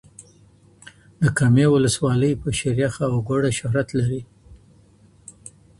د کامي ولسوالۍ په شیریخ او ګوړه شهرت لری